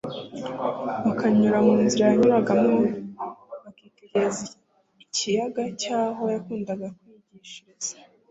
bakanyura mu nzira yanyuragamo bakitegereza ikiyaga cy'aho yakundaga kwigishiriza,